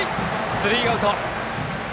スリーアウト。